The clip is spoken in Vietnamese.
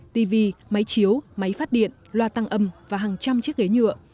tv máy chiếu máy phát điện loa tăng âm và hàng trăm chiếc ghế nhựa